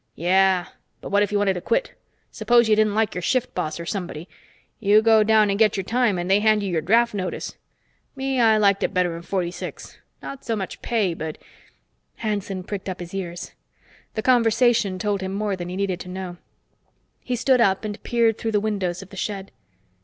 "Yeah, but what if you wanted to quit? Suppose you didn't like your shift boss or somebody? You go down and get your time, and they hand you your draft notice. Me, I liked it better in '46. Not so much pay, but " Hanson pricked up his ears. The conversation told him more than he needed to know. He stood up and peered through the windows of the shed.